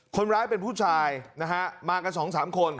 คนร้ายเป็นผู้ชายนะฮะมากันสองสามคน